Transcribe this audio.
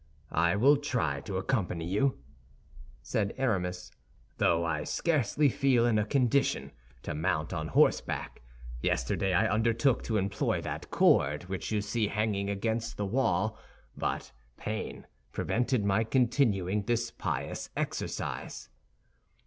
"I will try to accompany you," said Aramis, "though I scarcely feel in a condition to mount on horseback. Yesterday I undertook to employ that cord which you see hanging against the wall, but pain prevented my continuing the pious exercise."